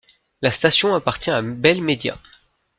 La station appartient à Bell Media.